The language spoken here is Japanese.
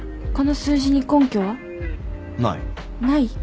この数字に根拠は？ない。